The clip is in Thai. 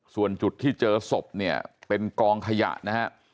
ส่วนจุดที่เจอศพเนี่ยเป็นกองขยะนะฮะ